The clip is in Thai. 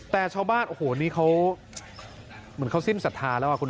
แต่ช่วงบ้านโอ้โหนี่เขาเหมือนเขาสิ่งสัตธาระวะคุณฮะ